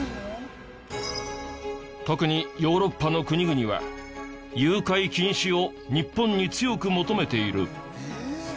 特にヨーロッパの国々は誘拐禁止を日本に強く求めている。